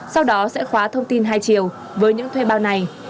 sau đó sẽ khóa thông tin hai chiều với những thuê bao này